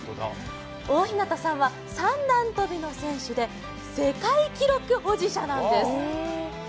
大日向さんは三段跳びの選手で世界記録保持者なんです。